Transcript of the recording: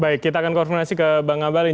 baik kita akan konfirmasi ke bang abalin